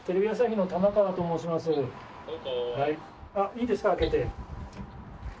いいですか、開けて。